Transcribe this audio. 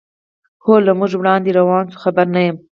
هو، له موږ وړاندې روان شوي، خبر نه یم.